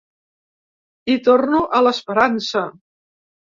I torno a l’esperança.